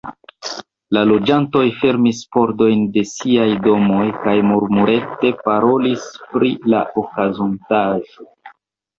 La loĝantoj fermis pordojn de siaj domoj kaj murmurete parolis pri la okazontaĵo.